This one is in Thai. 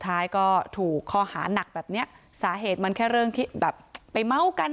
ท้ายก็ถูกข้อหานักแบบเนี้ยสาเหตุมันแค่เรื่องที่แบบไปเม้ากัน